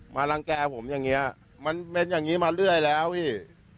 รังแก่ผมอย่างนี้มันเป็นอย่างนี้มาเรื่อยแล้วพี่